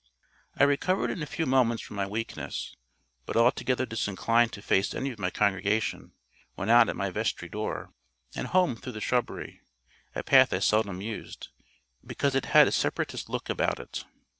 I recovered in a few moments from my weakness, but, altogether disinclined to face any of my congregation, went out at my vestry door, and home through the shrubbery—a path I seldom used, because it had a separatist look about it.